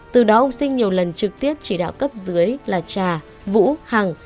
từ đó ông sinh nhiều lần trực tiếp chỉ đạo cấp dưới là trà vũ hằng